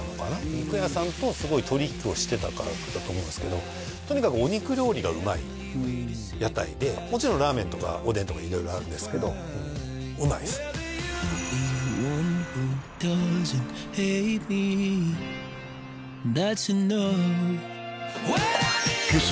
肉屋さんとすごい取り引きをしてたかだと思うんですけどとにかくお肉料理がうまい屋台でもちろんラーメンとかおでんとか色々あるんですけどうまいですゲソ？